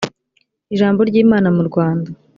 ijambo ry imana mu rwanda